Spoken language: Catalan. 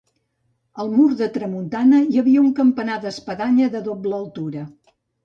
Al mur de tramuntana hi havia un campanar d'espadanya de doble obertura.